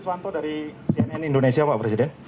agustus wanto dari cnn indonesia pak presiden